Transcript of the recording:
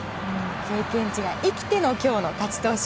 経験値が生きての今日の勝ち投手。